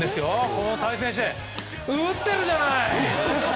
この対戦、打ってるじゃない！